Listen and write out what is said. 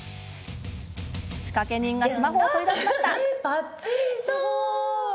さあ、仕掛け人がスマホを取り出したぞ！